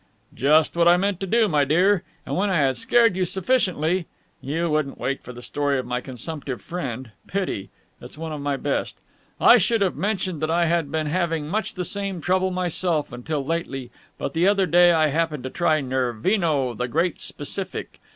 "Just what I meant to do, my dear. And, when I had scared you sufficiently you wouldn't wait for the story of my consumptive friend. Pity! It's one of my best! I should have mentioned that I had been having much the same trouble myself until lately, but the other day I happened to try Nervino, the great specific....